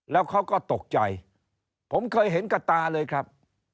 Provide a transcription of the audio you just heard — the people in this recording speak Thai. แล้วเขาก็ตกใจผมเคยเห็นกับตาเลยครับ